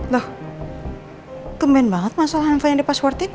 loh kemen banget mas soal handphone yang dipasswordin